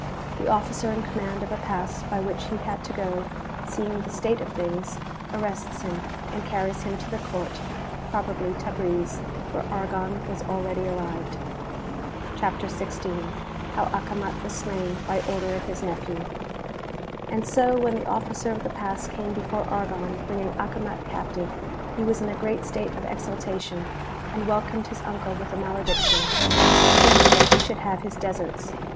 The Officer in command of a Pass by which he had to go, seeing the state of things, arrests him and carries him to the Court (probably Tabriz), where Argon was already arrived.) CHAPTER XVI. How Acomat was slain uv order of his Nephew. yVxD so when the Officer of the Pass came before Argon bringing Acomat captive, he was in a great state of exulta tion, and welcomed his uncle with a malediction,* saying that he should have his deserts.